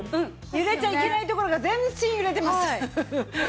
揺れちゃいけないところが全身揺れてます。